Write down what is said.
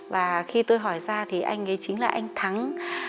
và khi tôi hỏi ra thì anh ấy chính là anh thắng